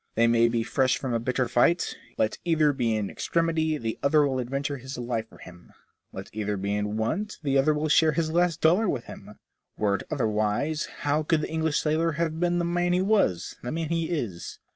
They may be fresh from a bitter fight, yet, let either be in extremity, the other will adventure his life for him ; let either be in want, the other will share his last dollar with him. Were it otherwise, how could the English sailor have been the man he was, the man he is